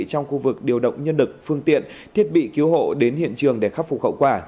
trong khu vực điều động nhân lực phương tiện thiết bị cứu hộ đến hiện trường để khắc phục khẩu quả